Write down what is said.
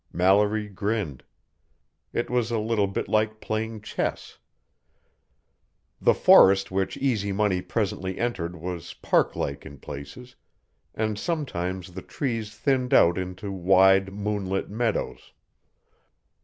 Mallory grinned. It was a little bit like playing chess. The forest which Easy Money presently entered was parklike in places, and sometimes the trees thinned out into wide, moonlit meadows.